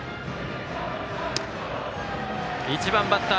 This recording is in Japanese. １番バッター